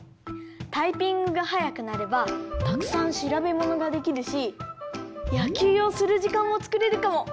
タイピングがはやくなればたくさんしらべものができるしやきゅうをするじかんもつくれるかも。